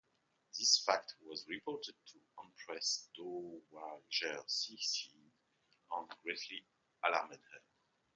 This fact was reported to Empress Dowager Cixi and greatly alarmed her.